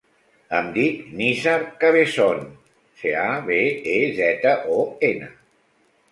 Em dic Nizar Cabezon: ce, a, be, e, zeta, o, ena.